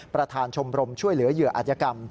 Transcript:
ประธานชมรมช่วยเหลือเหยื่ออัธยกรรม